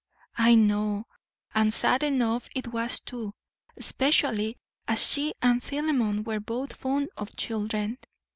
"I know; and sad enough it was too, especially as she and Philemon were both fond of children.